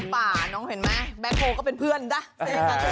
มันท้ามป่าน้องเห็นไหมแบล็คโพก็เป็นเพื่อนจ้ะ